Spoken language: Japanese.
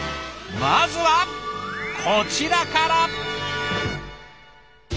まずはこちらから。